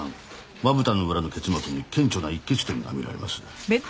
まぶたの裏の結膜に顕著な溢血点が見られます。